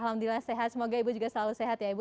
alhamdulillah sehat semoga ibu juga selalu sehat ya ibu